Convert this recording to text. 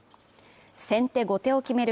先手後手を決める